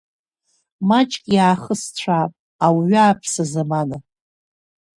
Маҷк иаахысцәаап, ауаҩы ааԥса замана.